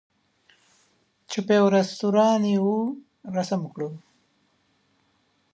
چې په یوه رستوران یې وو رسم کړو.